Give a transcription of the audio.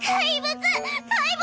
怪物！